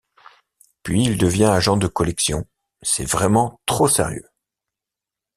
Puis, il devient agent de collection: c'est vraiment trop sérieux!